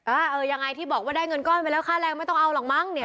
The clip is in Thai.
เออยังไงที่บอกว่าได้เงินก้อนไปแล้วค่าแรงไม่ต้องเอาหรอกมั้งเนี่ย